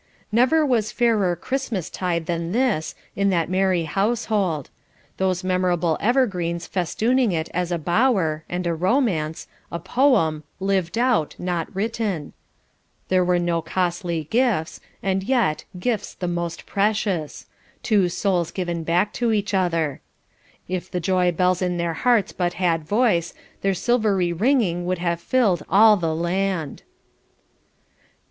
Never was fairer Christmas tide than this, in that merry household; those memorable evergreens festooning it as a bower and a romance a poem lived out not written. There were no costly gifts, and yet, gifts the most precious two souls given back to each other. If the joy bells in their hearts but had voice, their silvery ringing would have filled all the land.